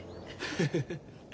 フフフッ。